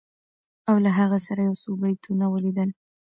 او له هغه سره یو څو بیتونه ولیدل